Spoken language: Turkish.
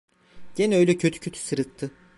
Gene öyle kötü kötü sırıttı.